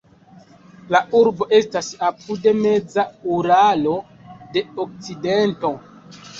La urbo estas apud meza Uralo de okcidento.